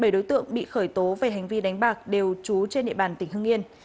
bảy đối tượng bị khởi tố về hành vi đánh bạc đều chú trên địa bàn tỉnh hương yên